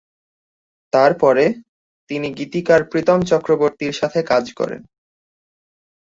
তারপরে, তিনি গীতিকার প্রীতম চক্রবর্তীর সাথে কাজ করেন।